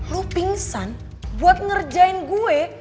lu pingsan buat ngerjain gue